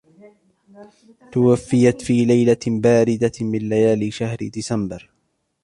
توفيت في ليلة باردة من ليالي شهر ديسمبر.